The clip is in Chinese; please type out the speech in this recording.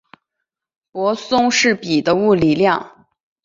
泊松式比的物理量。